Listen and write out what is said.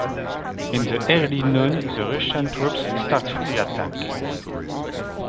In the early noon the Russian troops started the attack.